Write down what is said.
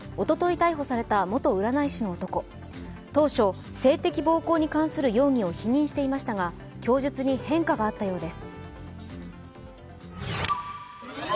逮捕された元占い師の男、当初、性的暴行に関する容疑を否認していましたが、供述に変化があったようです。